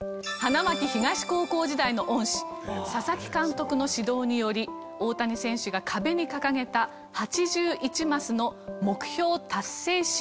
花巻東高校時代の恩師佐々木監督の指導により大谷選手が壁に掲げた「８１マスの目標達成シート」です。